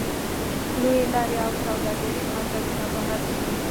لویې لارې او سوداګریز مرکزونه په حال کې وې.